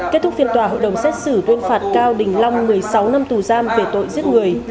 kết thúc phiên tòa hội đồng xét xử tuyên phạt cao đình long một mươi sáu năm tù giam về tội giết người